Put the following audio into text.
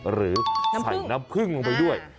หรือใส่น้ำผึ้งลงไปด้วย